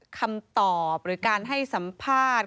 คำตอบหรือการให้สัมภาษณ์